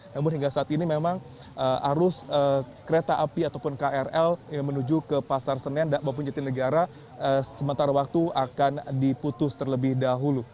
namun hingga saat ini memang arus kereta api ataupun krl yang menuju ke pasar senen maupun jatinegara sementara waktu akan diputus terlebih dahulu